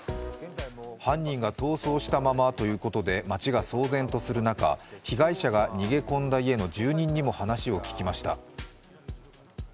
犯人が逃走したままということで町が騒然とする中、被害者が逃げ込んだ家の住人にも話を聞きました。